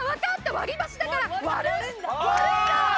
割り箸だから割る。